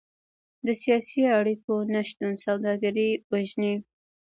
د سیاسي اړیکو نشتون سوداګري وژني.